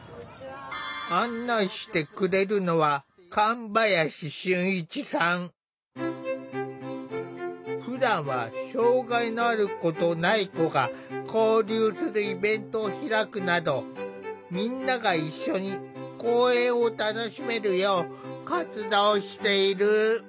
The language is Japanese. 案内してくれるのはふだんは障害のある子とない子が交流するイベントを開くなどみんなが一緒に公園を楽しめるよう活動している。